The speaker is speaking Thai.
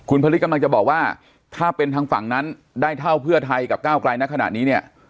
คุณผลิตกำลังจะบอกว่าถ้าเป็นทางฝั่งนั้นได้เท่าเพื่อไทยกับก้าวไกลในขณะนี้เนี่ย